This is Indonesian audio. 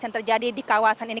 yang terjadi di kawasan ini